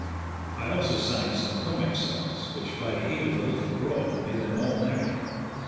I also sang some comic songs, which, by the aid of a little grog, made them all merry.